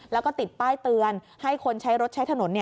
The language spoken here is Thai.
แล้วก็ติดป้ายเตือนให้คนใช้รถใช้ถนน